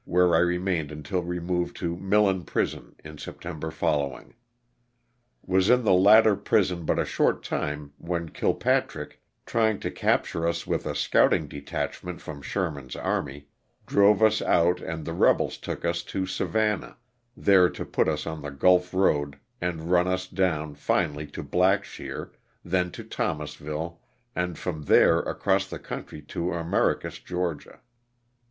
where I remained until removed to Millen prison in September following. Was in the latter prison but a short time when Kilpatrick, trying to capture us with a scouting detachment from Sher man's army, drove us out and the rebels took us to Savannah, there put us on the Gulf road and run us down, finally, to Blackshear, thence to Thomasville, and from there across the country to Americus, Ga.